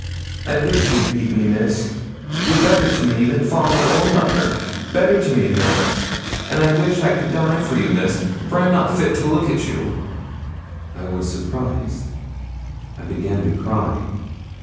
I wish you'd beat me, Miss; ye're better to me than father or mother better to me than a'; an' I wish I could die for you, Miss, for I'm not fit to look at you.' I was surprised. I began to cry.